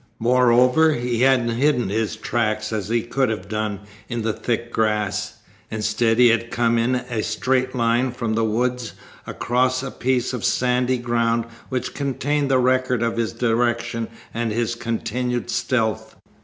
Moreover, he hadn't hidden his tracks, as he could have done, in the thick grass. Instead he had come in a straight line from the woods across a piece of sandy ground which contained the record of his direction and his continued stealth.